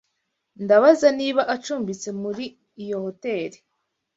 Ndabaza niba acumbitse muri iyo hoteri.